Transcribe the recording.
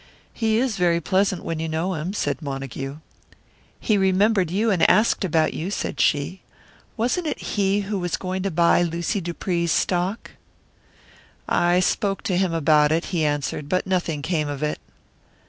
"He is very pleasant, when you know him," said Montague. "He remembered you, and asked about you," said she. "Wasn't it he who was going to buy Lucy Dupree's stock?" "I spoke to him about it," he answered, "but nothing came of it."